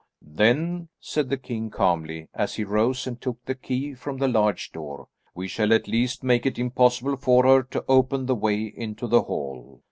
"Then," said the king calmly, as he rose and took the key from the large door, "we shall at least make it impossible for her to open the way into the hall."